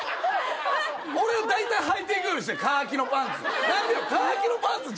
俺は大体はいていくようにしてるカーキのパンツ何でよ！